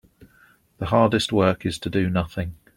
The hardest work is to do nothing.